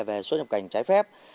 về xuất nhập cảnh trái phép